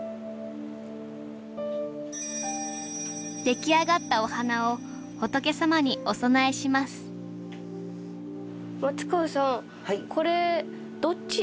できあがったお花を仏様にお供えします松川さん